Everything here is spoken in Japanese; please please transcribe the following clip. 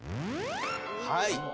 はい。